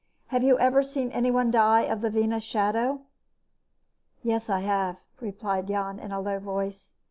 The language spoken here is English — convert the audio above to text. Have you ever seen anyone die of the Venus Shadow?" "Yes, I have," replied Jan in a low voice.